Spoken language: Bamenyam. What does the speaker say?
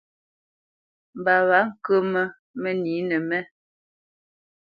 Mbǎ wá nkǝmǝ mǝnǐnǝ mé.